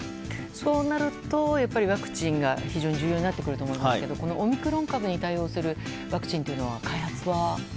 そうなると、ワクチンが非常に重要になってくると思いますがオミクロン株に対応するワクチンっていうのは開発は？